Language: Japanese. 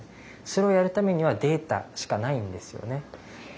それをやるためにはデータしかないんですよね。